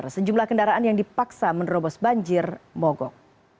sejumlah kendaraan yang dipaksa menerobos banjir mogok